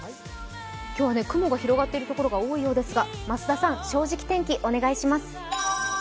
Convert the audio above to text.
今日は雲が広がっているところが多いようですが、増田さん、「正直天気」お願いします